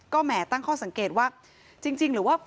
แหมตั้งข้อสังเกตว่าจริงหรือว่า